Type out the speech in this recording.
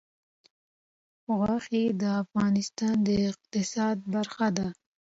غوښې د افغانستان د اقتصاد برخه ده.